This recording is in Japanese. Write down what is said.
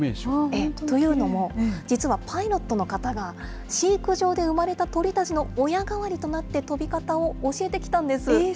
というのも、実はパイロットの方が飼育場で生まれた鳥たちの親代わりとなって飛び方を教えてきたんです。